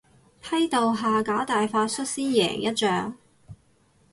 批鬥下架大法率先贏一仗